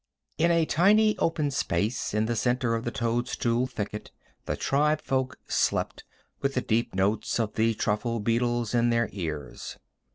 In a tiny, open space in the center of the toadstool thicket the tribefolk slept with the deep notes of the truffle beetles in their ears.